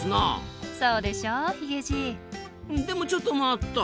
でもちょっと待った。